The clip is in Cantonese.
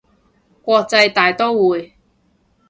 國際大刀會